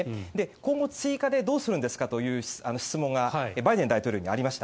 今後、追加でどうするんですかという質問がバイデン大統領にありました。